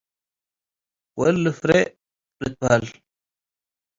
ወእሊ “ፍሬ” ልትበሀል ።